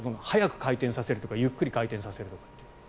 速く回転させるとかゆっくり回転させるとか。